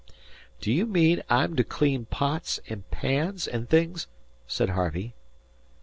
"Do you mean I'm to clean pots and pans and things?" said Harvey.